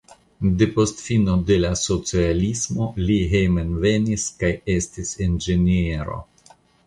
Depost fino de la socialismo li hejmenvenis kaj estis inĝeniero.